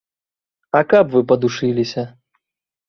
А каб вы падушыліся.